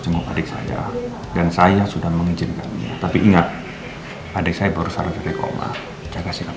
jemput adik saya dan saya sudah mengizinkan tapi ingat ada saya baru salah jadi koma cek